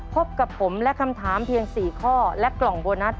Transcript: พบกับผมและคำถามเพียง๔ข้อและกล่องโบนัส